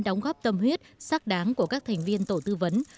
đóng góp tâm huyết sắc đáng của các thành viên tổ tư vấn